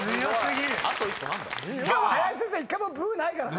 林先生１回もブーないからね。